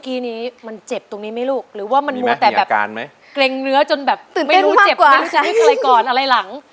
เกรงเนื้อจนแบบไม่รู้เจ็บตื่นเต้นมากกว่า